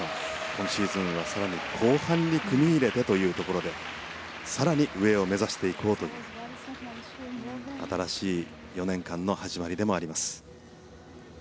今シーズンは更に後半に組み入れてというところで更に上を目指していこうという新しい４年間の始まりでもあります。